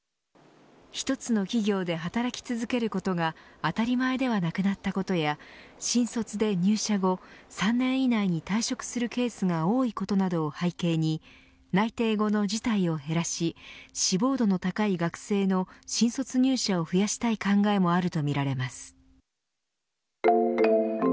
一つの企業で働き続けることが当たり前ではなくなったことや新卒で入社後３年以内に退職するケースが多いことなどを背景に内定後の辞退を減らし志望度の高い学生の新卒入社を増やしたい考えもあるとみられます。